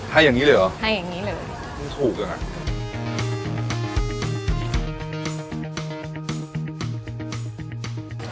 ให้อย่างนี้เลยเหรอไม่ถูกเลยนะให้อย่างนี้เลย